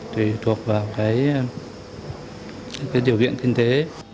thì thuộc vào điều kiện kinh tế